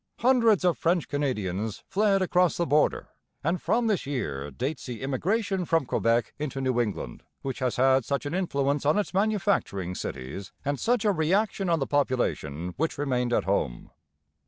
Hundreds of French Canadians fled across the border; and from this year dates the immigration from Quebec into New England which has had such an influence on its manufacturing cities and such a reaction on the population which remained at home.